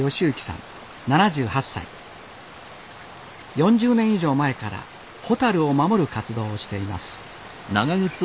４０年以上前からホタルを守る活動をしています